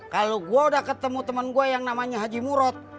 kalau gua udah ketemu temen gua yang namanya haji murot